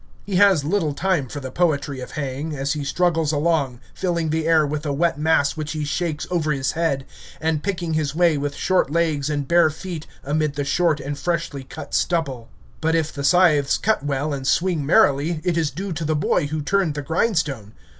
He has little time for the poetry of haying, as he struggles along, filling the air with the wet mass which he shakes over his head, and picking his way with short legs and bare feet amid the short and freshly cut stubble. But if the scythes cut well and swing merrily, it is due to the boy who turned the grindstone.